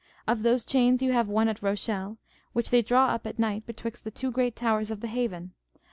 Of those chains you have one at Rochelle, which they draw up at night betwixt the two great towers of the haven.